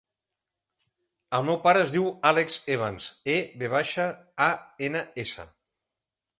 El meu pare es diu Àlex Evans: e, ve baixa, a, ena, essa.